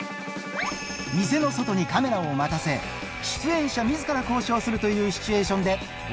店の外にカメラを待たせ、出演者みずから交渉するというシチュエーションで、笑